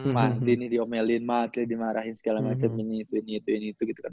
mati nih diomelin mati dimarahin segala macem ini itu ini itu gitu kan